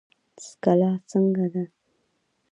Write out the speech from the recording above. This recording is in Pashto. څکلا ښه ده.